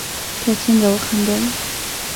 تا څنګه وخندل